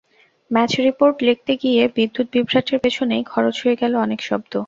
Match report লিখতে গিয়ে বিদ্যুৎ বিভ্রাটের পেছনেই খরচ হয়ে গেল অনেক শব্দ।